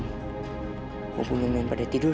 mau bunuh ujang pada tidur